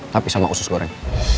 tapi sama usus goreng